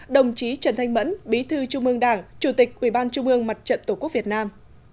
đồng chí trần thanh mẫn bí thư trung ương đảng chủ tịch ủy ban trung ương mặt trận tổ quốc việt nam